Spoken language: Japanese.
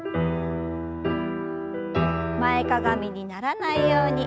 前かがみにならないように気を付けて。